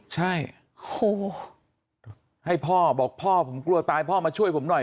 ใช่โอ้โหให้พ่อบอกพ่อผมกลัวตายพ่อมาช่วยผมหน่อย